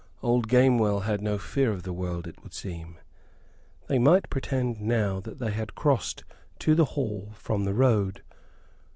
Old Gamewell had no fear of the world, it would seem. They might pretend now that they had crossed to the hall from the road.